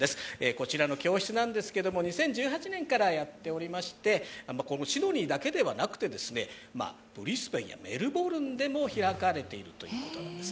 こちらの教室なんですけども２０１８年からやっておりましてシドニーだけではなくて、ブリスベンやメルボルンでも開かれているということです。